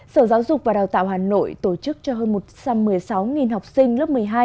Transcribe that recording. sở giáo dục và đào tạo hà nội tổ chức cho hơn một trăm một mươi sáu học sinh lớp một mươi hai